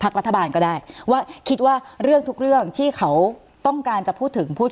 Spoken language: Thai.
รัฐบาลก็ได้ว่าคิดว่าเรื่องทุกเรื่องที่เขาต้องการจะพูดถึงพูด